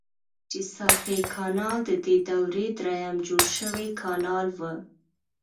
چیساپیک کانال ددې دورې دریم جوړ شوی کانال و.